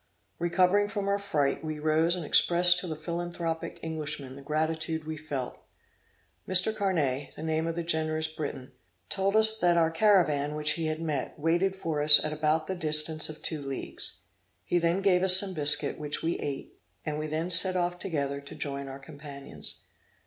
Recovering from our fright, we rose and expressed to the philanthropic Englishman the gratitude we felt. Mr. Carnet, the name of the generous Briton, told us that our caravan which he had met, waited for us at about the distance of two leagues. He then gave us some biscuit, which we eat; and we then set off together to join our companions.